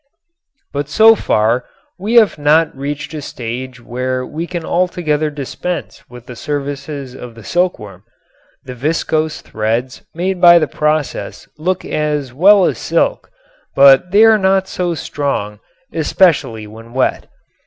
But so far we have not reached a stage where we can altogether dispense with the services of the silkworm. The viscose threads made by the process look as well as silk, but they are not so strong, especially when wet.